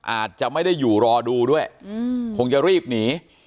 อาจจะไม่ได้อยู่รอดูด้วยคงจะรีบหนี